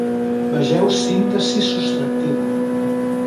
Vegeu síntesi subtractiva.